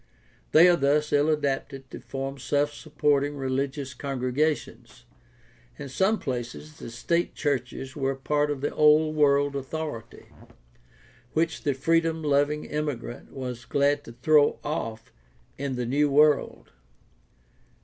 They are thus ill adapted to form self supporting religious congregations. In some places the state churches were part of the Old World authority, which the freedom loving immigrant was glad to throw off in the New World.